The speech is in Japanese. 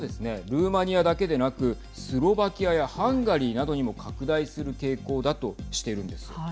ルーマニアだけでなくスロバキアやハンガリーなどにも拡大する傾向だとしているんです。